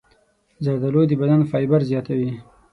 زردالو د بدن فایبر زیاتوي.